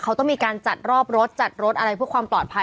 เขาต้องมีการจัดรอบรถจัดรถอะไรเพื่อความปลอดภัย